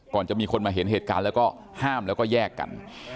ก่อนจะมีคนมาเห็นเหตุการณ์แล้วก็ห้ามแล้วก็แยกกัน